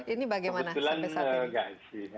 ini bagaimana sampai saat ini